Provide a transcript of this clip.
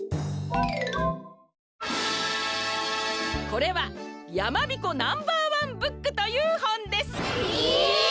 これは「やまびこナンバーワンブック」というほんです！え！？